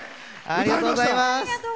ありがとうございます。